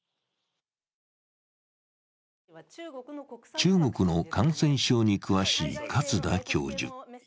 中国の感染症に詳しい勝田教授。